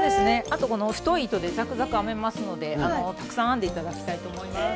あとこの太い糸でざくざく編めますのでたくさん編んで頂きたいと思います。